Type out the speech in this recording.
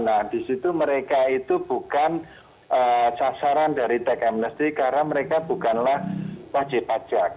nah di situ mereka itu bukan sasaran dari tech amnesty karena mereka bukanlah wajib pajak